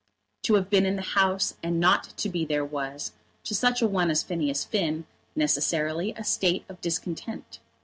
To have been in the House and not to be there was, to such a one as Phineas Finn, necessarily a state of discontent.